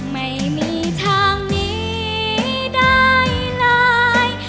ไม่มีทางนี้ได้เลย